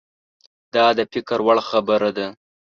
دا د فکر وړ خبره ده.